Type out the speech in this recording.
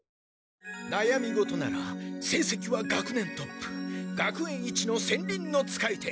なやみごとならせいせきは学年トップ学園一の戦輪の使い手